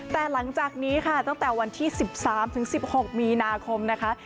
แต่หลังจากนี้ค่ะตั้งแต่วันที่๑๓๑๖มีนาคมนะคะ